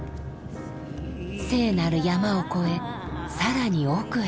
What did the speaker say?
聖なる山を越えさらに奥へ。